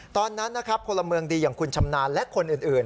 ตอนนั้นนะครับพลเมืองดีอย่างคุณชำนาญและคนอื่น